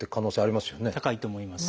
高いと思います。